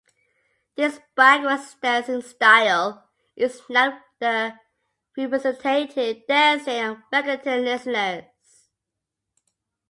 This backwards dancing style is now the representative dancing of reggaeton listeners.